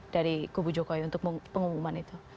dari kubu jokowi untuk pengumuman itu